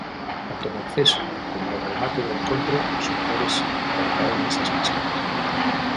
Tanto no acceso como ao remate do encontro, os xogadores portaron esas máscaras.